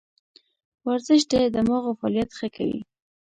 ورزش د دماغو فعالیت ښه کوي.